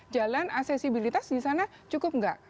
jalan aksesibilitas disana cukup enggak